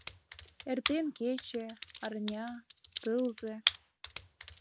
Эртен кече... арня... тылзе...